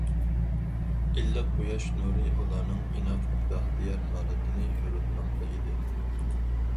ئىللىق قۇياش نۇرى ئۇلارنىڭ ئىناق، بەختىيار ھالىتىنى يورۇتماقتا ئىدى.